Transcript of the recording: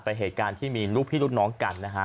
ไปเหตุการณ์ที่มีลูกพี่รุ่นน้องกัน